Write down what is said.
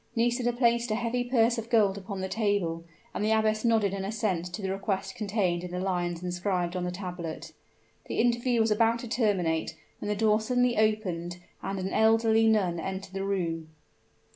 Nisida placed a heavy purse of gold upon the table, and the abbess nodded an assent to the request contained in the lines inscribed on the tablet. The interview was about to terminate, when the door suddenly opened, and an elderly nun entered the room.